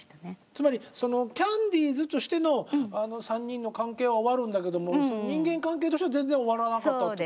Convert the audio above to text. つまりキャンディーズとしての３人の関係は終わるんだけども人間関係としては全然終わらなかったっていうこと？